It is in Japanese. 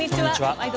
「ワイド！